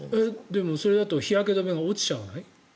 でもそれだと日焼け止めが落ちちゃわない？